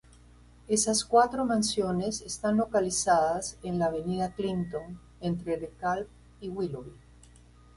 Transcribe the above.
Esas cuatro mansiones están localizadas en la avenida Clinton entre DeKalb y Willoughby.